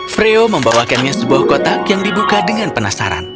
freo membawakannya sebuah kotak yang dibuka dengan penasaran